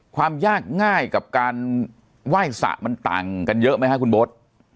ความยากง่ายกับการไหว้สระมันต่างกันเยอะไหมครับคุณโบ๊ท